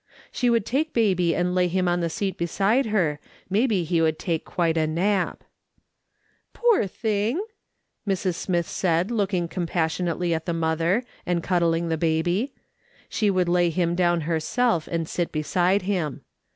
She would take baby and lay him on the seat beside her, maybe he would take quite a nap. "Poor thing!" Mrs. Smith said, looking com passionately at the mother, and cuddling the baby; she would lay him down herself, and sit beside him.